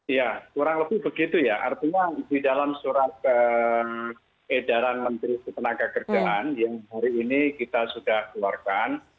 iya kurang lebih begitu ya artinya di dalam surat edaran menteri ketenagakerjaan yang hari ini kita sudah keluarkan